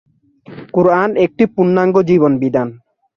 কুরআন একটি পূর্ণাঙ্গ জীবন-বিধান।